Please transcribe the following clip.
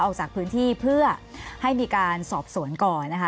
ออกจากพื้นที่เพื่อให้มีการสอบสวนก่อนนะคะ